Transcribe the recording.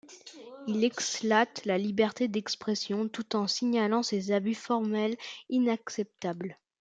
Il exalte la liberté d'expression tout en signalant ses abus formels inacceptables.